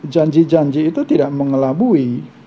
janji janji itu tidak mengelabui